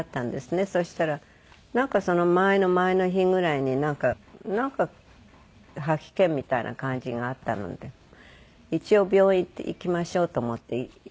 そしたらなんか前の前の日ぐらいになんか吐き気みたいな感じがあったので一応病院行きましょうと思って行ったんですね。